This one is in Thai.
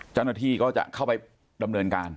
เจ้าหน้าที่ก็จะเข้าไปดำเนินการ